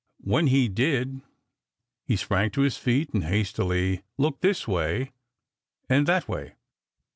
When he did, he sprang to his feet and hastily looked this way and that way.